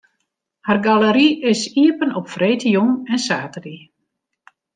Har galery is iepen op freedtejûn en saterdei.